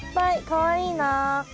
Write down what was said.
かわいいなあ。